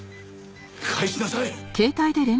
返しなさい。